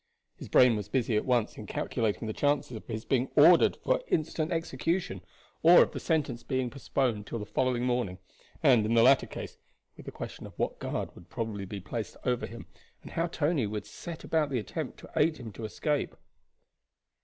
His brain was busy at once in calculating the chances of his being ordered for instant execution or of the sentence being postponed till the following morning, and, in the latter case, with the question of what guard would be probably placed over him, and how Tony would set about the attempt to aid him to escape.